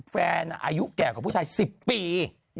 แฟนอายุแก่กว่าผู้ชาย๑๐ปี